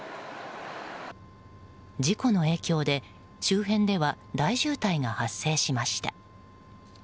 事故の影響で、周辺では大渋滞が発生しました。